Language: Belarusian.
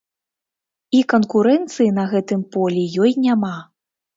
І канкурэнцыі на гэтым полі ёй няма.